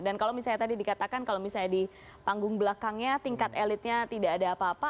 dan kalau misalnya tadi dikatakan kalau misalnya di panggung belakangnya tingkat elitnya tidak ada apa apa